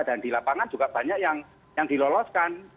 dan di lapangan juga banyak yang diloloskan